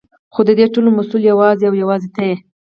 خو ددې ټولو مسؤل يې يوازې او يوازې ته يې.